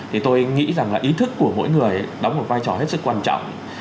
thì tôi nghĩ rằng là ý thức của mỗi người đóng một vai trò hết sức quan trọng